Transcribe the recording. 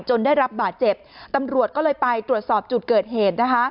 ได้รับบาดเจ็บตำรวจก็เลยไปตรวจสอบจุดเกิดเหตุนะคะ